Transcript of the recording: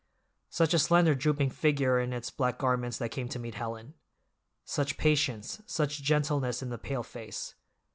Such a slender, drooping figure in its black garments that came to meet Helen! Such patience, such gentleness in the pale face!